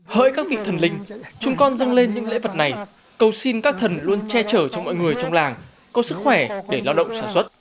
hỡi các vị thần linh chúng con dâng lên những lễ vật này cầu xin các thần luôn che chở cho mọi người trong làng có sức khỏe để lao động sản xuất